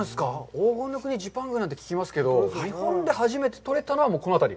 黄金の国ジパングなんて聞きますけど、日本で初めて採れたのは、このあたり？